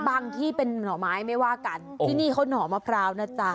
บางที่เป็นหมายไม่ว่ากันที่นี่คนหน่อมะพราวนะจ้ะ